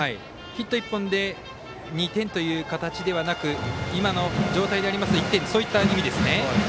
ヒット１本で２点という形ではなく今の状態でありますと１点という意味ですね。